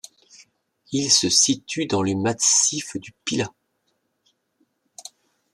Il se situe dans le massif du Pilat.